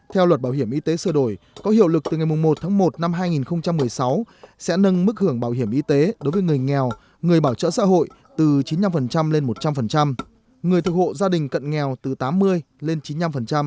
theo luật bảo hiểm y tế sửa đổi có hiệu lực từ ngày một tháng một năm hai nghìn một mươi sáu sẽ nâng mức hưởng bảo hiểm y tế đối với người nghèo người bảo trợ xã hội từ chín mươi năm lên một trăm linh người thuộc hộ gia đình cận nghèo từ tám mươi lên chín mươi năm